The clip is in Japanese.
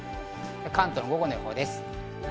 関東の午後の予報です。